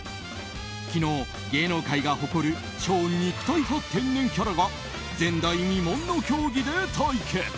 昨日、芸能界が誇る超肉体派天然キャラが前代未聞の競技で対決！